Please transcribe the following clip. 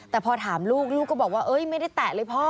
แต่พอถามลูกลูกก็บอกว่าไม่ได้แตะเลยพ่อ